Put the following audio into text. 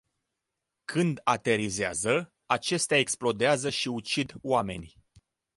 Când aterizează, acestea explodează și ucid oameni.